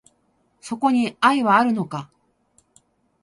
そこに愛はあるのか